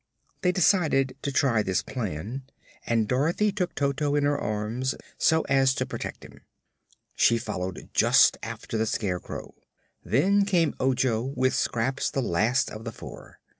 They decided to try this plan and Dorothy took Toto in her arms, so as to protect him. She followed just after the Scarecrow. Then came Ojo, with Scraps the last of the four.